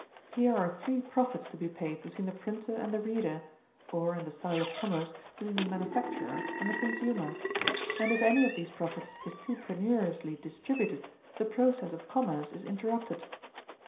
Here are three profits to be paid between the printer and the reader, or in the style of commerce, between the manufacturer and the consumer; and if any of these profits is too penuriously distributed, the process of commerce is interrupted.